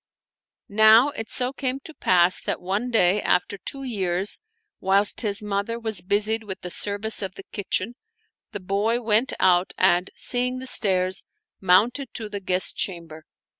Now it so came to pass that one day after two years, whilst his mother was busied with the service of the kitchen the boy went out and, seeing the stairs, mounted to the guest chamber.